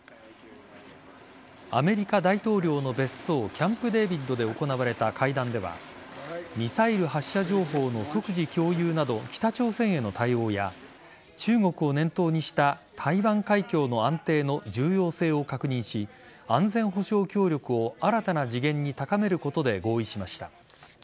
アメリカ大統領の別荘キャンプデービッドで行われた会談ではミサイル発射情報の即時共有など北朝鮮への対応や中国を念頭にした台湾海峡の安定の重要性を確認し安全保障協力を新たな次元に高めることで合意しました。